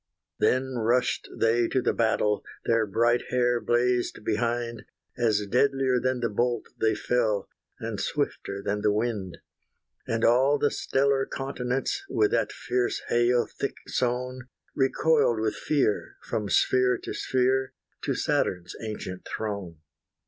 Then rushed they to the battle; Their bright hair blazed behind, As deadlier than the bolt they fell, And swifter than the wind. And all the stellar continents, With that fierce hail thick sown, Recoiled with fear, from sphere to sphere To Saturn's ancient throne.